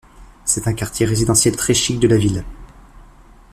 C'est un quartier résidentiel très chic de la ville.